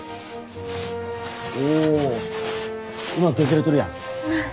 おうまく削れとるやん。